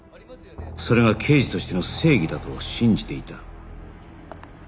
それが刑事としての正義だと信じていた